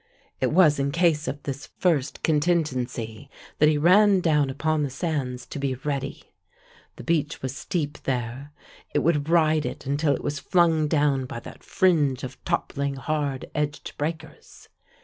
It was in case of this first contingency that he ran down upon the sands to be ready. The beach was steep there: it would ride it until it was flung down by that fringe of toppling, hard edged breakers.